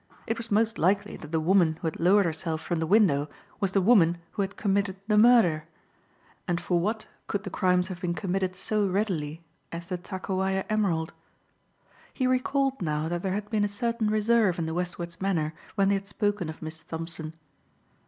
It was most likely that the woman who had lowered herself from the window was the woman who had committed the murder. And for what could the crimes have been committed so readily as the Takowaja emerald? He recalled now that there had been a certain reserve in the Westwards' manner when they had spoken of Miss Thompson.